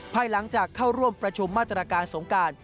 ภายหลังจากเข้าร่วมประชุมมาตรการสงการ